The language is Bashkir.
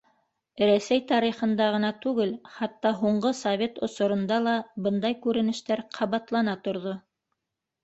Рәсәй тарихында ғына түгел, хатта һуңғы совет осоронда ла бындай күренештәр ҡабатлана торҙо.